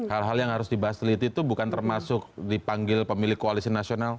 hal hal yang harus dibahas teliti itu bukan termasuk dipanggil pemilik koalisi nasional